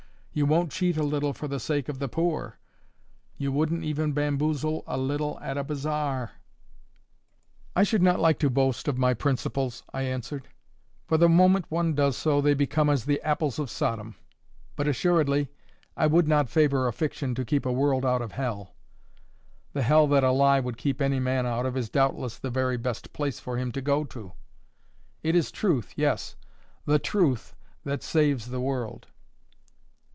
You won't cheat a little for the sake of the poor! You wouldn't even bamboozle a little at a bazaar!" "I should not like to boast of my principles," I answered; "for the moment one does so, they become as the apples of Sodom. But assuredly I would not favour a fiction to keep a world out of hell. The hell that a lie would keep any man out of is doubtless the very best place for him to go to. It is truth, yes, The Truth that saves the world."